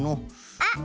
あっ！